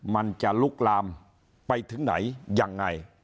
มันจะลุกลามไปถึงไหนยังไง